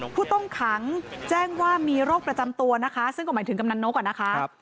ผู้ต้องขังแจ้งว่ามีโรคประจำตัวนะคะซึ่งก็หมายถึงกำนันนกอะนะคะ